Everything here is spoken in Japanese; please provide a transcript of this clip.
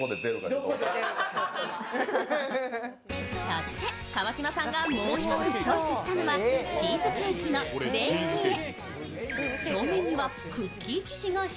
そして、川島さんがもう一つチョイスしたのが、チーズケーキのレティエ。